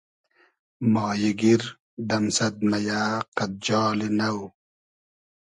مایی گیر دئمسئد مئیۂ قئد جالی نۆ